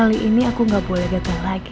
kali ini aku nggak boleh datang lagi